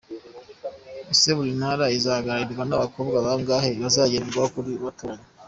Ese buri Ntara izahagararirwa n’abakobwa bangahe? Hazagenderwa kuki batoranywa?.